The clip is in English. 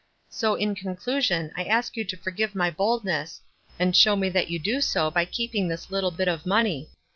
So in con clusion, I ask you to forgive my boldness ; and show me that you do so, by keeping this little bit of money.